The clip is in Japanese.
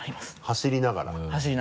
走りながら。